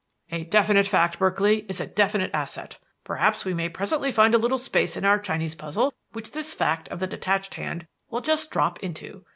"A definite fact, Berkeley, is a definite asset. Perhaps we may presently find a little space in our Chinese puzzle which this fact of the detached hand will just drop into.